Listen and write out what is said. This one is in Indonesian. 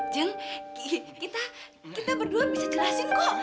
jeng kita berdua bisa jelasin kok